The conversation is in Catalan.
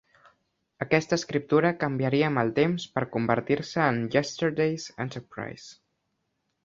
Aquesta escriptura canviaria amb el temps per convertir-se en "Yesterday's Enterprise".